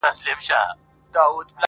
هم یې وروڼه هم ورېرونه وه وژلي!